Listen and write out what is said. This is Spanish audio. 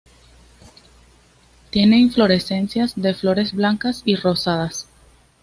Tiene inflorescencias de flores blancas y rosadas.